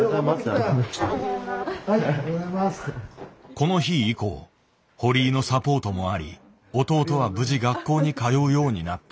この日以降堀井のサポートもあり弟は無事学校に通うようになった。